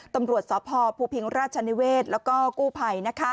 ตำรวจสพภูพิงราชนิเวศแล้วก็กู้ภัย